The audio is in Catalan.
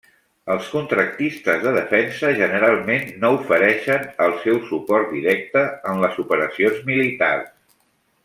Els contractistes de defensa, generalment no ofereixen el seu suport directe en les operacions militars.